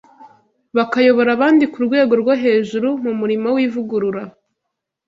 bakayobora abandi ku rwego rwo hejuru mu murimo w’ivugurura